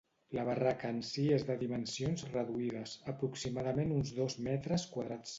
La barraca en si és de dimensions reduïdes, aproximadament uns dos metres quadrats.